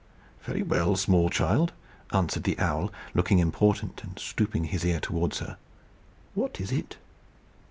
"Very well, small child," answered the owl, looking important, and stooping his ear towards her. "What is it?"